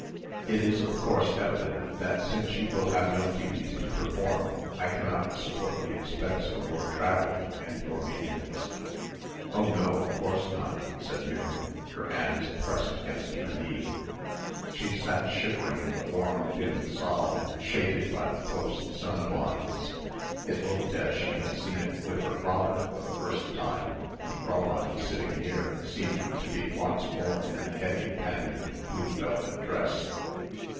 "It is of course evident that since you will have no duties to perform, I cannot support the expense of your travelling and your maintenance." "Oh no, of course not," said Miriam, her hands pressed against her knee. She sat shivering in the warm dim saal shaded by the close sun blinds. It looked as she had seen it with her father for the first time and Fräulein sitting near seemed to be once more in the heavy panniered blue velvet dress.